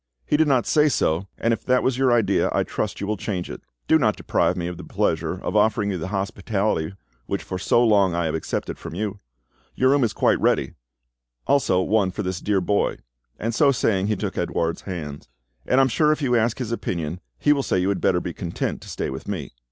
"He did not say so, and if that was your idea I trust you will change it. Do not deprive me of the pleasure of offering you the hospitality which for so long I have accepted from you. Your room is quite ready, also one for this dear boy," and so saying he took Edouard's hand; "and I am sure if you ask his opinion, he will say you had better be content to stay with me."